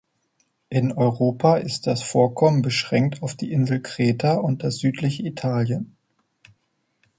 In Europa ist das Vorkommen beschränkt auf die Insel Kreta und das südliche Italien.